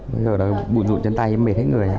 bây giờ là bụi rụn trên tay mệt hết người